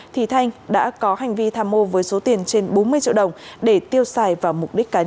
thì thanh đã có hành vi tham mô với số tiền trên bốn mươi triệu đồng để tiêu xài vào mục đích cá nhân